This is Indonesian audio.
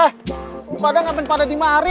eh padahal gak pengen pada di mari